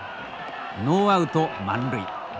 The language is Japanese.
ノーアウト満塁。